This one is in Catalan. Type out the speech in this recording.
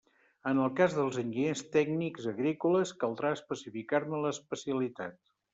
En el cas dels enginyers tècnics agrícoles, caldrà especificar-ne l'especialitat.